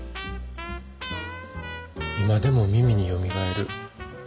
今でも耳によみがえる。